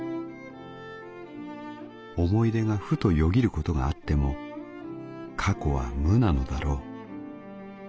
想い出がふとよぎる事があっても過去は無なのだろう。